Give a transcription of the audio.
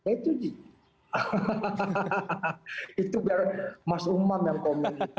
itu biar mas umam yang komen gitu